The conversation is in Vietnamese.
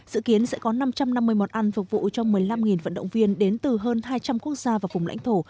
dự kiến sẽ có năm trăm năm mươi món ăn phục vụ cho một mươi năm vận động viên đến từ hơn hai trăm linh quốc gia và vùng lãnh thổ